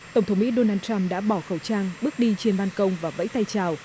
tổng thống mỹ donald trump đã bỏ khẩu trang bước đi trên ban công và vẫy tay chào